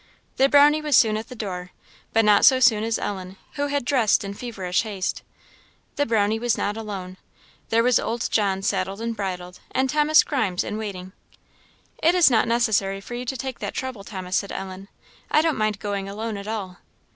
The Brownie was soon at the door, but not so soon as Ellen, who had dressed in feverish haste. The Brownie was not alone; there was old John saddled and bridled, and Thomas Grimes in waiting. "It's not necessary for you to take that trouble, Thomas," said Ellen; "I don't mind going alone at all."